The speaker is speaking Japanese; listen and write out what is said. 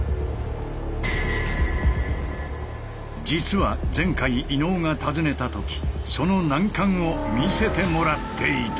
実は前回伊野尾が訪ねた時その難関を見せてもらっていた。